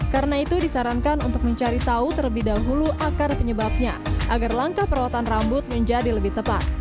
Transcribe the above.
karena itu disarankan untuk mencari tahu terlebih dahulu akar penyebabnya agar langkah perawatan rambut menjadi lebih tepat